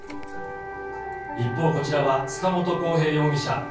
一方、こちらは塚本晃平容疑者。